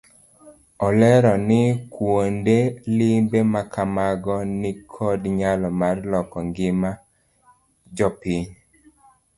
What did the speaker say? Olero ni kuonde limbe makamago nikod nyalo mar loko ngima jopiny.